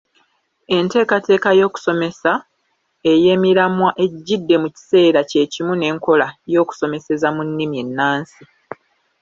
Enteekateeka y’okusomesa ey’emiramwa ejjidde mu kiseera kye kimu n’enkola y’okusomeseza mu nnimi ennansi.